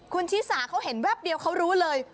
คุณชิสาเขาเห็นแวบเดียวเขารู้เลย